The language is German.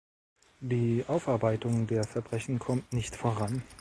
Die Aufarbeitung der Verbrechen kommt nicht voran.